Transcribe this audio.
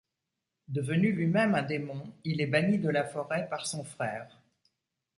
Devenu lui-même un démon, il est banni de la forêt par son frère.